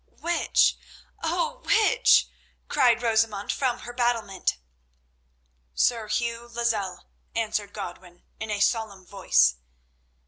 "Which—oh, which?" cried Rosamund from her battlement. "Sir Hugh Lozelle," answered Godwin in a solemn voice.